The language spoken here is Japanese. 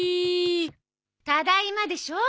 ただいまでしょう？